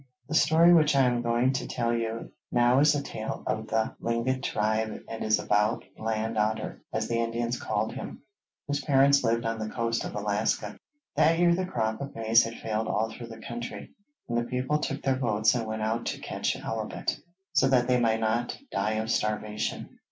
The story which I am going to tell you now is a tale of the Tlingit tribe and is about 'Land otter,' as the Indians called him, whose parents lived on the coast of Alaska. That year the crop of maize had failed all through the country, and the people took their boats and went out to catch halibut, so that they might not die of starvation.